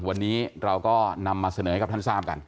วันนี้เราก็นำมาเสนอให้กับท่านทราบกัน